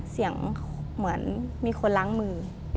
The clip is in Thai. เสียงเหมือนมีคนล้างมือ